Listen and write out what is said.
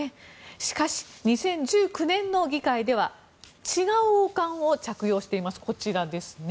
しかし、２０１９年の議会では違う王冠を着用しています。